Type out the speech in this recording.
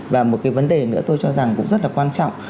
và một cái vấn đề nữa tôi cho rằng cũng rất là quan trọng